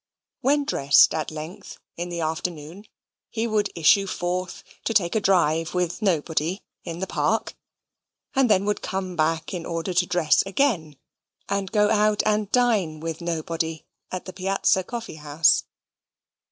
When dressed at length, in the afternoon, he would issue forth to take a drive with nobody in the Park; and then would come back in order to dress again and go and dine with nobody at the Piazza Coffee House.